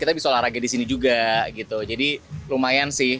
kita bisa olahraga disini juga gitu jadi lumayan sih